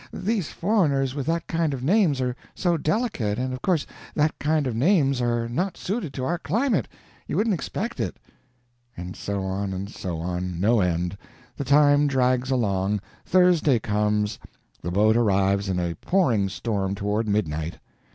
These foreigners with that kind of names are so delicate, and of course that kind of names are not suited to our climate you wouldn't expect it." [And so on and so on, no end. The time drags along; Thursday comes: the boat arrives in a pouring storm toward midnight.